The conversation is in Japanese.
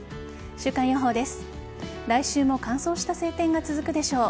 週間予報です。